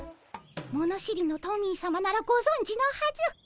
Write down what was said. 物知りのトミーさまならごぞんじのはず。